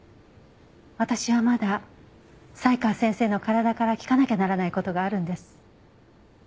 私はまだ才川先生の体から聞かなきゃならない事があるんです。